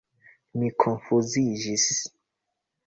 Mi konfuziĝis.